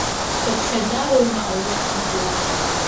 Хыԥхьаӡароума аус злоу?